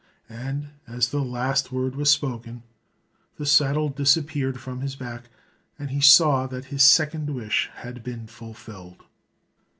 And as the last word was spoken, the saddle disappeared from his back, and he saw that his second wish had been fulfilled.